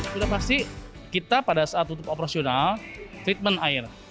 sudah pasti kita pada saat tutup operasional treatment air